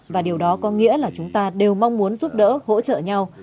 và điều đó có nghĩa là chúng ta đều mong muốn giúp đỡ hỗ trợ nhau